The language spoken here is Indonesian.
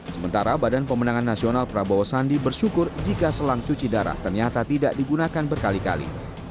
sementara badan pemenangan nasional prabowo sandi bersyukur jika selang cuci darah ternyata tidak digunakan berkali kali